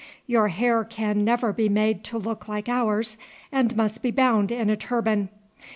Your hair can never be made to look like ours and must be bound in a turban.